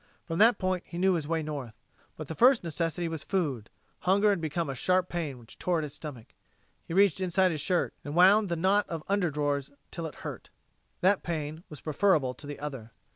From that point he knew his way north. But the first necessity was food. Hunger had become a sharp pain which tore at his stomach. He reached inside his shirt, and wound the knot of under drawers until it hurt. That pain was preferable to the other.